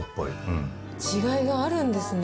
違いがあるんですね。